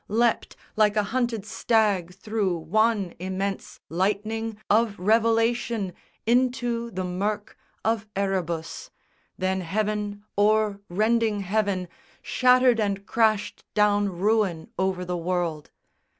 Leapt like a hunted stag through one immense Lightning of revelation into the murk Of Erebus: then heaven o'er rending heaven Shattered and crashed down ruin over the world.